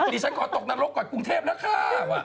ดิฉันก่อนตกนรกก่อนกรุงเทพฯนะค่ะ